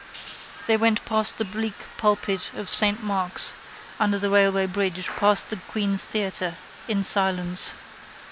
They went past the bleak pulpit of saint Mark's, under the railway bridge, past the Queen's theatre: in silence.